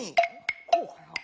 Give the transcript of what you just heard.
こうかな？